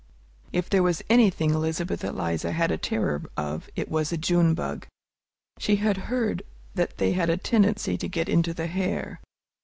If there was anything Elizabeth Eliza had a terror of, it was a June bug. She had heard that they had a tendency to get into the hair.